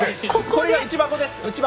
これが内箱です内箱。